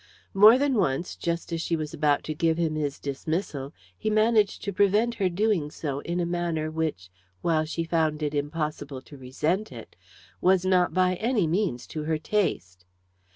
More than once, just as she was about to give him his dismissal, he managed to prevent her doing so in a manner which, while she found it impossible to resent it, was not by any means to her taste.